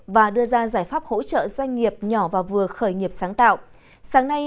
và đưa ra giải pháp hỗ trợ doanh nghiệp nhỏ và vừa khởi nghiệp sáng tạo sáng nay